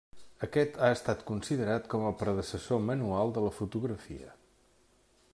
Aquest ha estat considerat com a predecessor manual de la fotografia.